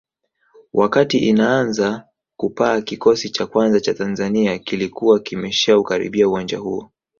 Wakati inaanza kupaa kikosi cha kwanza cha Tanzania kilikuwa kimeshaukaribia uwanja huo